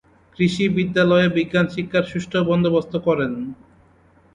কৃষি বিদ্যালয়ে বিজ্ঞান শিক্ষার সুষ্ঠু বন্দোবস্ত করেন।